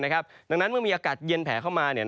ดังนั้นเมื่อมีอากาศเย็นแผลเข้ามา